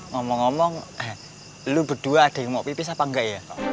ngomong ngomong lu berdua ada yang mau pipis apa enggak ya